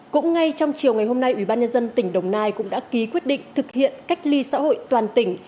cũng ngay trong chiều ngày hôm nay ubnd tỉnh đồng nai cũng đã ký quyết định thực hiện cách ly xã hội toàn tỉnh